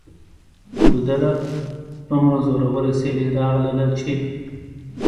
ګودره! دومره زوروره سیلۍ راغلله چې